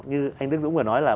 như anh đức dũng vừa nói là